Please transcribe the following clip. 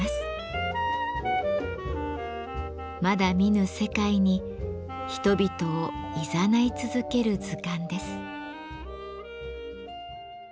まだ見ぬ世界に人々をいざない続ける図鑑です。